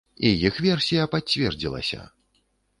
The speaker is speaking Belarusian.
І іх версія пацвердзілася.